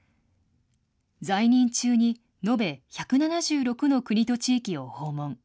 在任中に延べ１７６の国と地域を訪問。